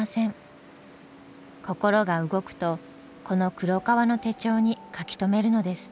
心が動くとこの黒革の手帳に書き留めるのです。